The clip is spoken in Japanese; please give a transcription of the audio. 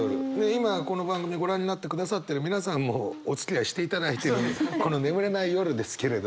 今この番組をご覧になってくださってる皆さんもおつきあいしていただいているこの眠れない夜ですけれど。